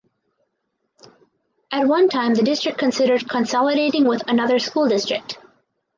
At one time the district considered consolidating with another school district.